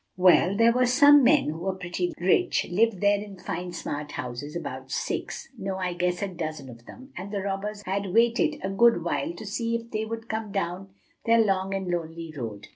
"Well, there were some men who were pretty rich lived there in fine smart houses, about six no, I guess a dozen of them, and the robbers had waited a good while to see if they would come down their long and lonely road.